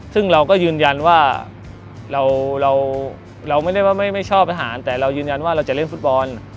ซึ่งเราก็ยืนยันว่าเราไม่ได้ว่าไม่ชอบอาหารแต่เรายืนยันว่าเราจะเล่นฟุตบอล